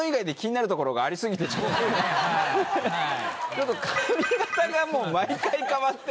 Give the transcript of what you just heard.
ちょっと髪形がもう毎回変わってるから。